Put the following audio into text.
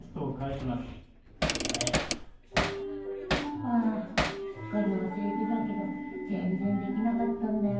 ハァすっかり忘れてたけど全然できなかったんだよな